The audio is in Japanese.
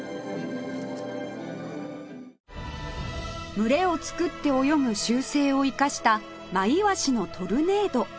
群れを作って泳ぐ習性を生かしたマイワシのトルネード